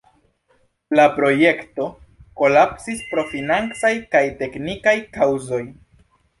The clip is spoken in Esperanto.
La projekto kolapsis pro financaj kaj teknikaj kaŭzoj.